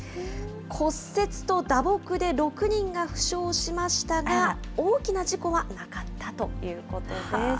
骨折と打撲で６人が負傷しましたが、大きな事故はなかったということです。